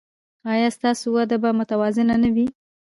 ایا ستاسو وده به متوازنه نه وي؟